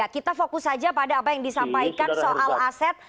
kita fokus saja pada apa yang disampaikan soal aset